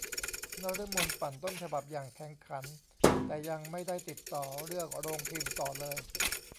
นฤมลปั่นต้นฉบับอย่างแข็งขัน แต่ยังไม่ได้ติดต่อเรื่องโรงพิมพ์ต่อเลย